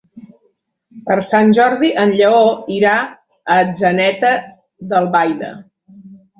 Per Sant Jordi en Lleó irà a Atzeneta d'Albaida.